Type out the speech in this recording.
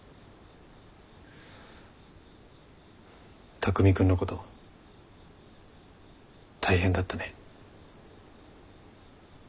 匠君のこと大変だったね。